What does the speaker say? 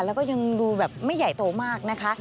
แล้วก็ยังดูแบบไม่ใหญ่โตมากนะคะ